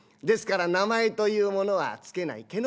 ですから名前というものは付けない。